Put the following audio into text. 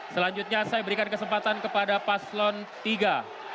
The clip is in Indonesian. selanjutnya saya berikan kesempatan kepada paslon tiga